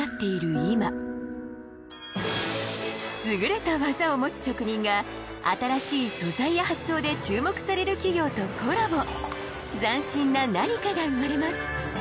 今優れた技を持つ職人が新しい素材や発想で注目される企業とコラボ斬新な何かが生まれます